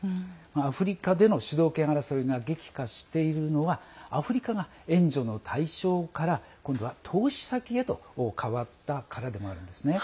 アフリカでの主導権争いが激化しているのはアフリカが援助の対象から今度は投資先へと変わったからでもあるんですね。